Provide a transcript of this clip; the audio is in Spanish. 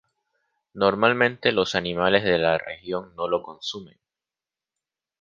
Normalmente los animales de la región no lo consumen.